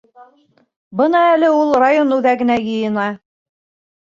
Бына әле ул район үҙәгенә йыйына.